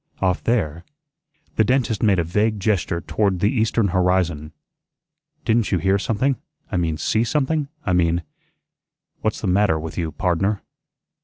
"Off there." The dentist made a vague gesture toward the eastern horizon. "Didn't you hear something I mean see something I mean " "What's the matter with you, pardner?"